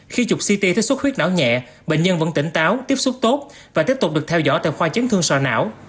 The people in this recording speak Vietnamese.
khi chụp ct thấy xuất huyết não nhẹ bệnh nhân vẫn tỉnh táo tiếp xúc tốt và tiếp tục được theo dõi tại khoa chấn thương sò não